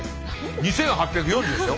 ２，８４０ですよ。